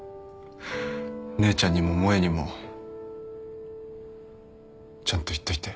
姉ちゃんにも萌にもちゃんと言っといて。